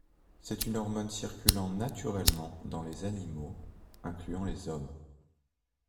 C'est une hormone circulant naturellement dans les animaux incluant les hommes.